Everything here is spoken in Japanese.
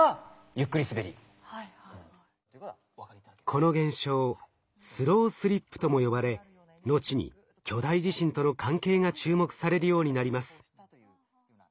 この現象「スロースリップ」とも呼ばれ後に巨大地震との関係が注目されるようになります。